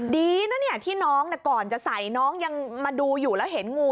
ดีนะเนี่ยที่น้องก่อนจะใส่น้องยังมาดูอยู่แล้วเห็นงู